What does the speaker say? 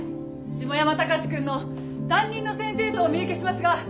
下山高志君の担任の先生とお見受けしますが。